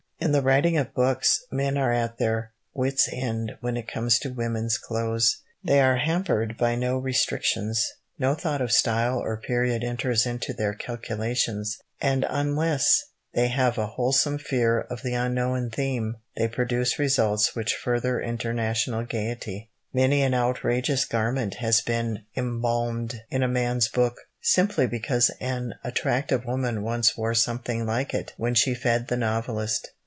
In the writing of books, men are at their wits' end when it comes to women's clothes. They are hampered by no restrictions no thought of style or period enters into their calculations, and unless they have a wholesome fear of the unknown theme, they produce results which further international gaiety. Many an outrageous garment has been embalmed in a man's book, simply because an attractive woman once wore something like it when she fed the novelist.